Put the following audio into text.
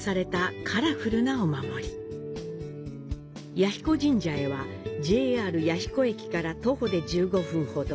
彌彦神社へはＪＲ弥彦駅から徒歩で１５分ほど。